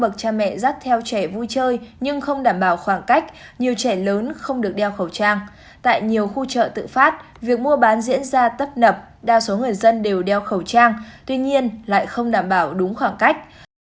tại nhiều khu chợ tự phát việc mua bán diễn ra tấp nập đa số người dân đều đeo khẩu trang tuy nhiên lại không đảm bảo đúng khoảng cách